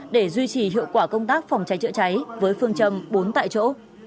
để duy trì hiệu quả công tác phòng cháy chữa cháy với phương châm bốn tại chỗ